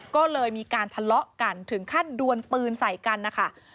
ก็เลยมีการทะเลาะกันถึงขั้นดวนปืนใส่กันนะคะ